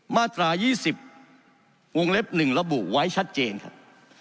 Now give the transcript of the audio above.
มาตรา๒๐วงเล็บ๑ระบุไว้ชัดเจนครับ